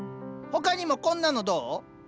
他にもこんなのどう？